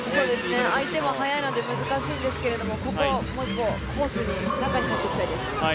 相手も速いので難しいんですけどここは、もう一本コース、中に入っていきたいです。